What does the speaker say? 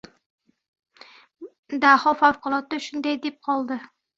Daho favqulodda shunday deb qoldi: